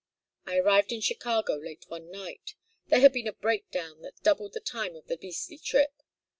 I arrived in Chicago late one night. There had been a break down that doubled the time of the beastly trip.